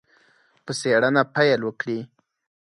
په څېړنه پیل وکړي.